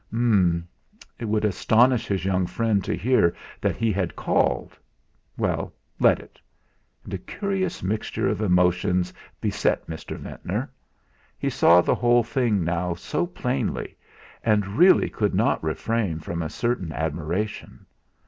H'm! it would astonish his young friend to hear that he had called. Well, let it! And a curious mixture of emotions beset Mr. Ventnor. He saw the whole thing now so plainly, and really could not refrain from a certain admiration.